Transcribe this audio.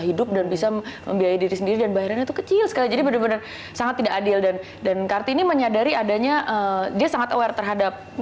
hidup dan bisa membiayai diri sendiri dan bayarannya itu kecil sekali jadi benar benar sangat tidak adil dan dan kartini menyadari adanya dia sangat aware terhadap